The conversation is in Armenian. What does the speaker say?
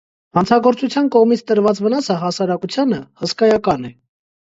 Հանցագործության կողմից տրված վնասը հասարակությանը՝ հսկայական է։